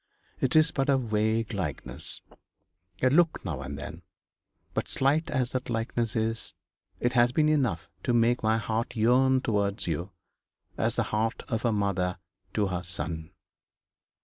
It is but a vague likeness a look now and then; but slight as that likeness is it has been enough to make my heart yearn towards you, as the heart of a mother to her son.'